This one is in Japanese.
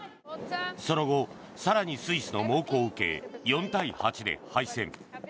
その後、更にスイスの猛攻を受け４対８で敗戦。